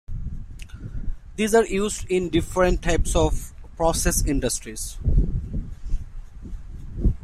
These are used in different types of process industries.